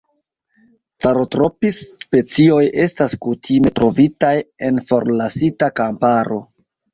Calotropis-specioj estas kutime trovitaj en forlasita kamparo.